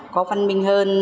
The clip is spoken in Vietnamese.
có phân minh hơn